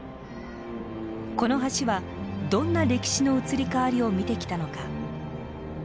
この橋はどんな歴史の移り変わりを見てきたのか。